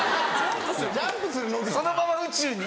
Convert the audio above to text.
そのまま宇宙に。